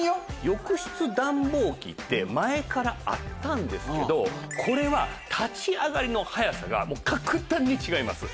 浴室暖房機って前からあったんですけどこれは立ち上がりの早さが格段に違います。